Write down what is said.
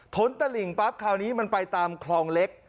ตลิ่งปั๊บคราวนี้มันไปตามคลองเล็ก